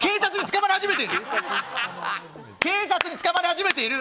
警察に捕まり始めている！